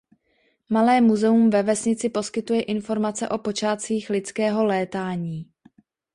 Malé muzeum ve vesnici poskytuje informace o počátcích lidského létání.